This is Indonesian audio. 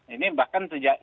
ini bahkan sejak